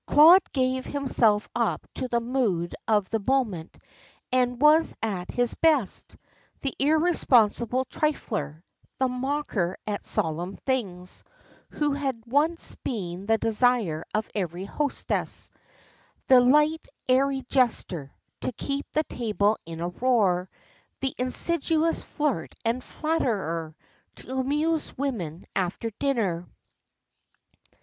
Claude gave himself up to the mood of the moment, and was at his best: the irresponsible trifler, the mocker at solemn things, who had once been the desire of every hostess; the light, airy jester, to keep the table in a roar, the insidious flirt and flatterer, to amuse women after dinner.